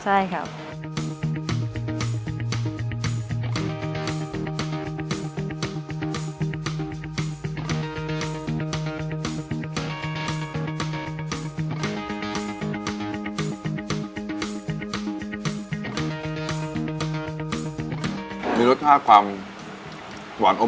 จะมีความติ่มพิเศษของมันใช่ครับถ้าทำด้วยซอสเองนะครับผมอืมหวานเทศ